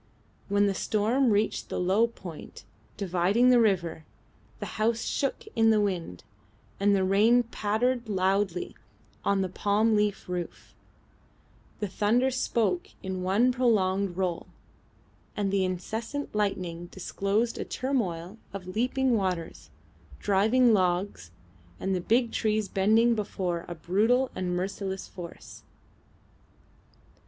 When the storm reached the low point dividing the river, the house shook in the wind, and the rain pattered loudly on the palm leaf roof, the thunder spoke in one prolonged roll, and the incessant lightning disclosed a turmoil of leaping waters, driving logs, and the big trees bending before a brutal and merciless force.